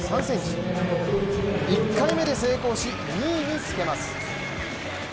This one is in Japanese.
１回目で成功し２位につけます。